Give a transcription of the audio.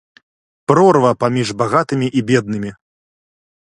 Прорва паміж багатымі і беднымі!